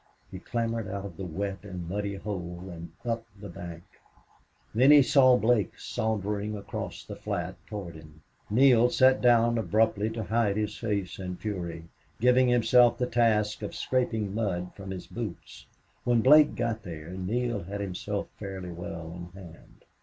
... Graft! Graft!" He clambered out of the wet and muddy hole and up the bank. Then he saw Blake sauntering across the flat toward him. Neale sat down abruptly to hide his face and fury, giving himself the task of scraping mud from his boots. When Blake got there Neale had himself fairly well in hand.